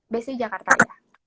base nya jakarta ya